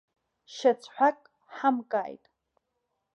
Шьацҳәак ҳамкаит.